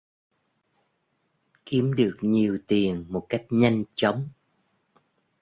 Kiếm được nhiều tiền một cách nhanh chóng